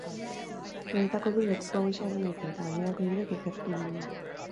Horietako bik lekuko gisa egin dute, eta gainerako hirurek ikertu moduan.